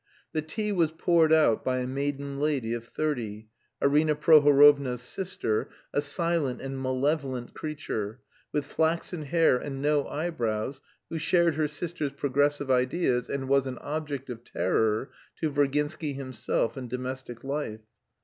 The tea was poured out by a maiden lady of thirty, Arina Prohorovna's sister, a silent and malevolent creature, with flaxen hair and no eyebrows, who shared her sister's progressive ideas and was an object of terror to Virginsky himself in domestic life.